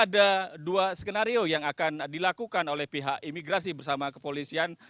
ada dua skenario yang akan dilakukan oleh pihak imigrasi bersama kepolisian